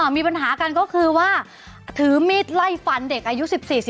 มีปัญหากันก็คือว่าถือมีดไล่ฟันเด็กอายุ๑๔